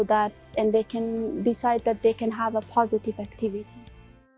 dan mereka bisa memilih bahwa mereka dapat memiliki aktivitas positif